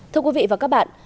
thưa quý vị và các bạn